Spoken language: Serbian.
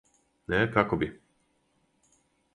Не, како би?